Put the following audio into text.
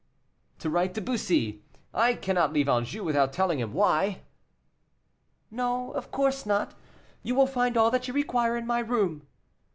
"To write to Bussy; I cannot leave Anjou without telling him why." "No, of course not; you will find all that you require in my room."